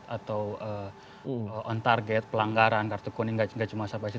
atau on target pelanggaran kartu kuning nggak cuma siapa saja